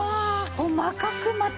細かくまた。